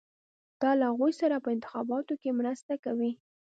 دا له هغوی سره په انتخاباتو کې مرسته کوي.